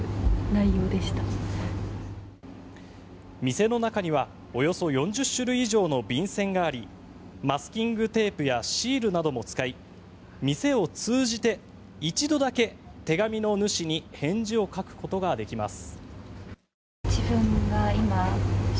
店の中にはおよそ４０種類以上の便せんがありマスキングテープやシールなども使い店を通じて、一度だけ手紙の主に返事を書くことができます。